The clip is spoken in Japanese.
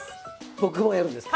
僕もやるんですか？